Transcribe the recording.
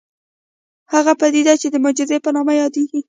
هغه پديده چې د معجزې په نامه يادېږي.